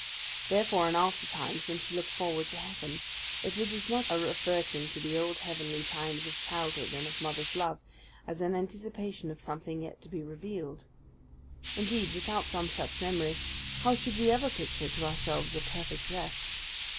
Therefore, in after times, when she looked forward to heaven, it was as much a reverting to the old heavenly times of childhood and mother's love, as an anticipation of something yet to be revealed. Indeed, without some such memory, how should we ever picture to ourselves a perfect rest?